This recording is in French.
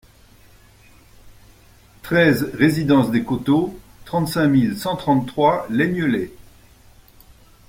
treize résidence des Côteaux, trente-cinq mille cent trente-trois Laignelet